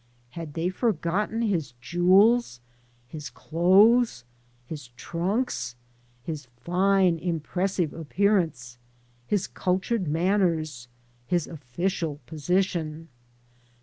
Had they forgotten his jewels, his clothes, his trunks, his fine, impressive appearance, his cultured manners, his official position?